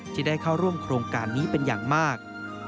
ที่ได้เข้าร่วมโครงการนี้เป็นอย่างมาก